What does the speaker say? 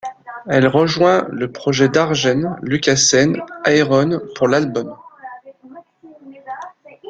Elle rejoint le projet d'Arjen Lucassen, Ayreon, pour l'album '.